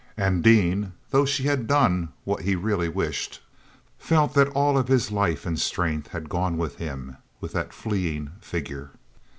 And Dean, though she had done what he really wished, felt that all of his life and strength had gone with him with that fleeing figure.